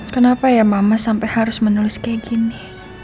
kenapa ya mama sampai harus menulis kayak gini